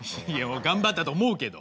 頑張ったと思うけど。